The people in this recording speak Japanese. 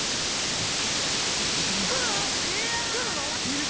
世界記録出るかもしれない。